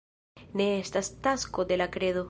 Ne estas tasko de la kredo.